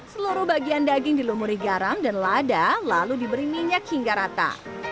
seluruh bagian daging dilumuri garam dan lada lalu diberi minyak hingga rata